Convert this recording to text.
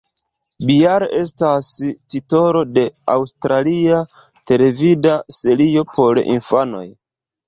Bear estas titolo de aŭstralia televida serio por infanoj.